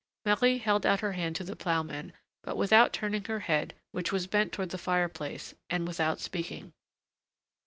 Marie held out her hand to the ploughman, but without turning her head, which was bent toward the fire place, and without speaking.